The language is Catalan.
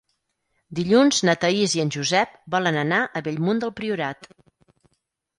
Dilluns na Thaís i en Josep volen anar a Bellmunt del Priorat.